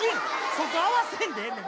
そこ合わせんでええねん。